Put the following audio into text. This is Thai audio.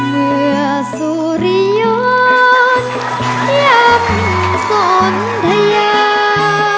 เมื่อสุริยนทร์ย่ำสนทะยา